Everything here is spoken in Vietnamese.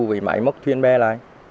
với máy móc thuyền bê lại